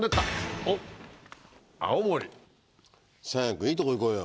君いいとこ行こうよ。